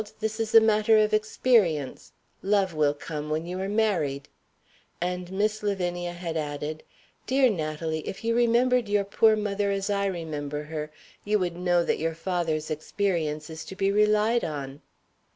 this is a matter of experience; love will come when you are married." And Miss Lavinia had added, "Dear Natalie, if you remembered your poor mother as I remember her, you would know that your father's experience is to be relied on."